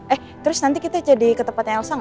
eh terus nanti kita jadi ke tempatnya elsa gak